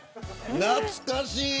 懐かしい。